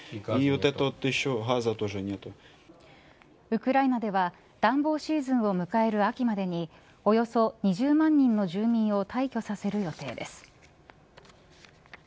ウクライナでは暖房シーズンを迎える秋までにおよそ２０万人の住民を退去させる予定です。